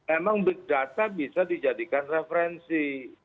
emang big data bisa dijadikan referensi